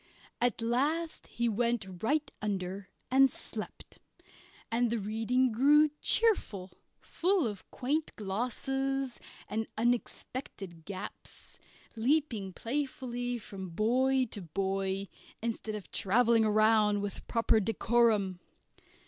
At last he went right under and slept, and the reading grew cheerful, full of quaint glosses and unexpected gaps, leaping playfully from boy to boy, instead of travelling round with a proper decorum.